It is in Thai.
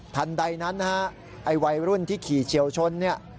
ทันใดนั้นไวรุ่นที่ขี่เฉียวชน